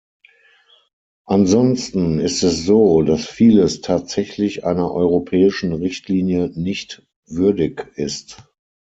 Ansonsten ist es so, dass vieles tatsächlich einer europäischen Richtlinie nicht würdig ist.